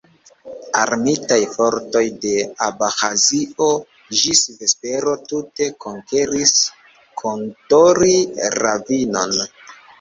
Armitaj fortoj de Abĥazio ĝis vespero tute konkeris Kodori-ravinon.